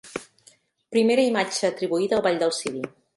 Primera imatge atribuïda al Ball del Ciri.